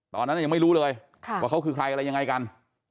ตอนนั้นยังไม่รู้เลยว่าเขาคือใครอะไรยังไงกัน